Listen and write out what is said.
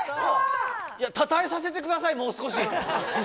たたえさせてください、もう少し。